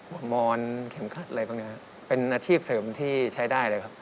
มอนเข็มขัดอะไรพวกนี้ครับเป็นอาชีพเสริมที่ใช้ได้เลยครับ